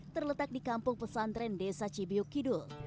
terletak di kampung pesantren desa cibiuk kidul